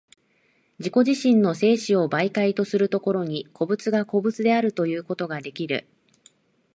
自己自身の生死を媒介とする所に、個物が個物であるということができる。